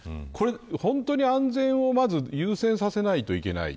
本当に安全を優先させないといけない。